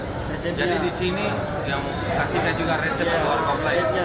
oh resep jadi di sini dia kasihkan juga resep ke warung kopi lainnya